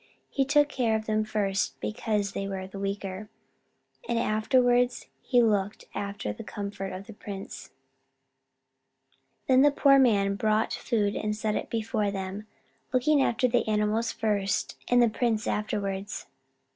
He took care of them first, because they were the weaker, and afterwards he looked after the comfort of the prince. Then the poor man brought food and set it before them, looking after the animals first and the prince afterwards.